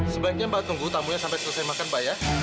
sebaiknya mbak tunggu tamunya sampai selesai makan mbak ya